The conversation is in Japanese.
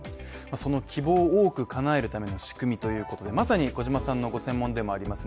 その希望を多く叶えるための仕組みということでまさに小島さんの専門でもあります